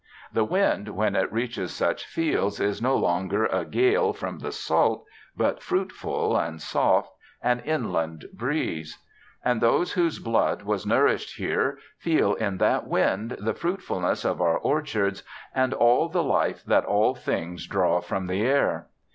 The wind, when it reaches such fields, is no longer a gale from the salt, but fruitful and soft, an inland breeze; and those whose blood was nourished here feel in that wind the fruitfulness of our orchards and all the life that all things draw from the air.